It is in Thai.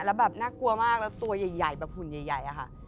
แล้วแบบน่ากลัวมากแล้วตัวใหญ่แบบหุ่นใหญ่อะค่ะ